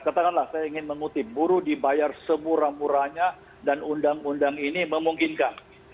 katakanlah saya ingin mengutip buruh dibayar semurah murahnya dan undang undang ini memungkinkan